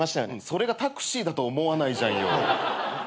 それがタクシーだと思わないじゃんよ。